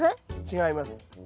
違います。